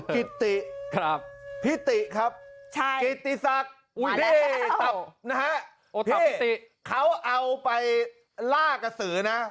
กิตติครับพี่ติครับกิตติศักดิ์นะฮะพี่เขาเอาไปล่ากะสืนะ